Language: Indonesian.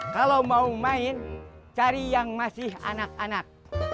kalau mau main cari yang masih anak anak